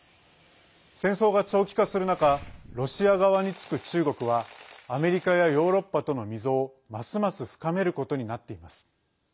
戦争が長期化する中ロシア側につく中国はアメリカやヨーロッパとの溝をますます深めることになっています。